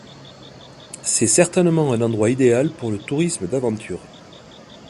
C'est certainement un endroit idéal pour le tourisme d'aventure.